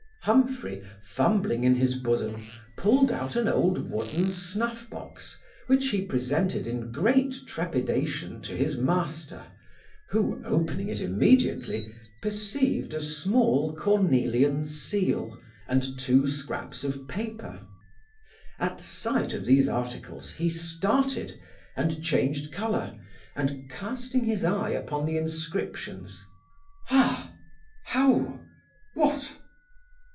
Humphry, fumbling in his bosom, pulled out an old wooden snuff box, which he presented in great trepidation to his master, who, opening it immediately, perceived a small cornelian seal, and two scraps of paper At sight of these articles he started, and changed colour, and casting his eye upon the inscriptions 'Ha! how! what!